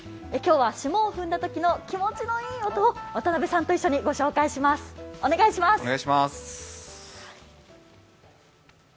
今日は霜を踏んだときの気持のいい音を渡辺さんと一緒にご紹介します。